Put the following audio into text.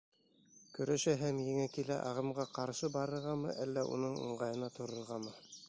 Көрәшә һәм еңә килә ағымға ҡаршы барырғамы, әллә уның ыңғайына торорғамы?